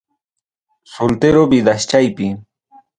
Soltero vidaschaypi.